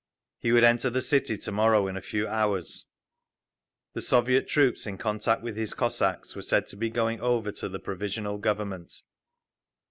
He would enter the city to morrow—in a few hours. The Soviet troops in contact with his Cossacks were said to be going over to the Provisional Government.